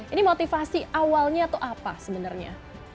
ini motivasi awalnya itu apa sebenarnya